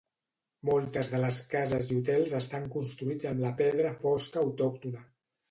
Moltes de les cases i hotels estan construïts amb la pedra fosca autòctona.